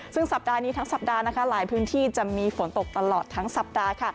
ซึ่งสัปดาห์นี้ทั้งสัปดาห์นะคะหลายพื้นที่จะมีฝนตกตลอดทั้งสัปดาห์